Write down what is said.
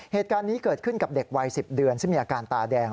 เหตุการณ์นี้เกิดขึ้นกับเด็กวัย๑๐เดือนซึ่งมีอาการตาแดง